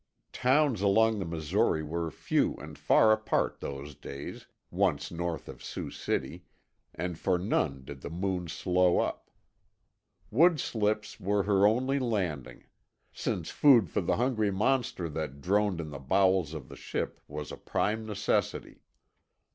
Towns along the Missouri were few and far apart those days, once north of Sioux City, and for none did the Moon slow up. Wood slips were her only landing; since food for the hungry monster that droned in the bowels of the ship was a prime necessity.